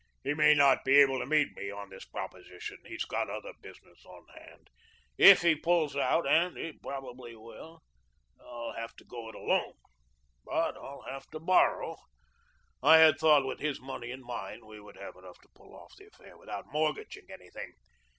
He may not be able to meet me on this proposition. He's got other business on hand. If he pulls out and he probably will I'll have to go it alone, but I'll have to borrow. I had thought with his money and mine we would have enough to pull off the affair without mortgaging anything.